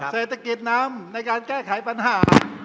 เศรษฐกิจนำในการแก้ไขปัญหา